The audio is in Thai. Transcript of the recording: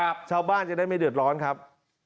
ชาวบ้านจะได้ไม่เดือดร้อนครับ